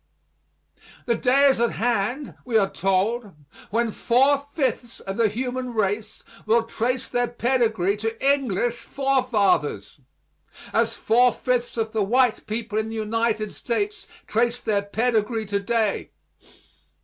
The day is at hand, we are told, when four fifths of the human race will trace their pedigree to English forefathers, as four fifths of the white people in the United States trace their pedigree to day.